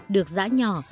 được dã nhỏ